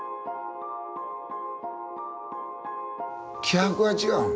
気迫が違う。